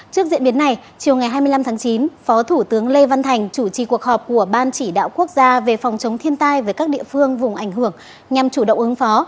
trước diễn biến này chiều ngày hai mươi năm tháng chín phó thủ tướng lê văn thành chủ trì cuộc họp của ban chỉ đạo quốc gia về phòng chống thiên tai với các địa phương vùng ảnh hưởng nhằm chủ động ứng phó